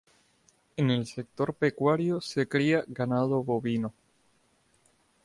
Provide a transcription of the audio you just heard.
En el sector pecuario se cría ganado bovino.